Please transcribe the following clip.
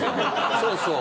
そうそう。